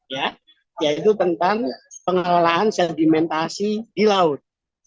yaitu tentang pengolahan sedimentasi di laut